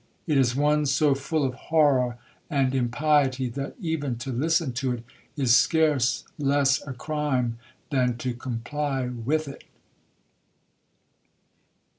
It is one so full of horror and impiety, that, even to listen to it, is scarce less a crime than to comply with it!'